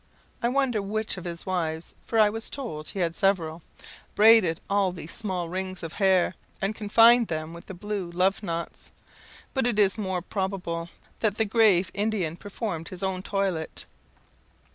I wonder which of his wives for I was told he had several braided all these small rings of hair, and confined them with the blue love knots; but it is more than probable that the grave Indian performed his own toilet.